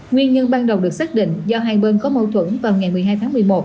nguyên nhân ban đầu được xác định do hai bên có mâu thuẫn vào ngày một mươi hai tháng một mươi một